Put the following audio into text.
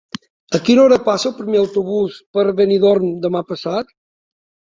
A quina hora passa el primer autobús per Benidorm demà passat?